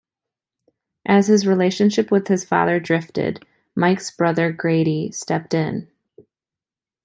As his relationship with his father drifted, Mike's brother Grady stepped in.